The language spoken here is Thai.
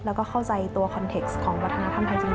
แล้วก็เข้าใจตัวคอนเท็กซ์ของวัฒนธรรมไทยจริง